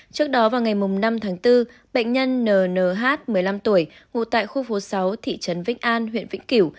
trước đó vào ngày năm tháng bốn bệnh nhân nnh một mươi năm tuổi ngủ tại khu phố sáu thị trấn vĩnh an huyện vĩnh cửu